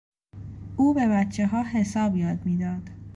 او به بچهها حساب یاد میداد.